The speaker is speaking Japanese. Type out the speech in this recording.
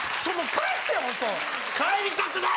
帰りたくない！